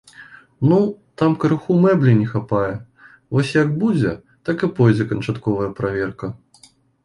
Ну, там крыху мэблі не хапае, вось як будзе, так і пойдзе канчатковая праверка.